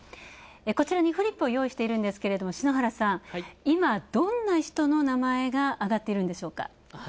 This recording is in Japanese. こちらにフリップを用意しているんですけれど篠原さん、今、どんな人の名前があがっているんでしょうか。